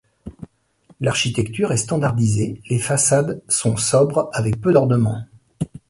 L’architecture est standardisée, les façades son sobre avec peu d’ornements.